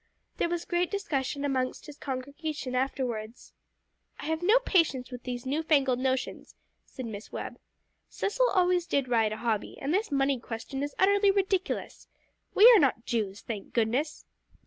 There was great discussion amongst his congregation afterwards. "I have no patience with these new fangled notions," said Miss Webb. "Cecil always did ride a hobby, and this money question is utterly ridiculous. We are not Jews, thank goodness!"